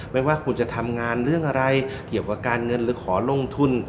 ไม่ว่าคุณจะทำงานเรื่องอะไรเกี่ยวกับการเงินหรือขอลงทุน